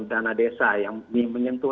dana desa yang menyentuh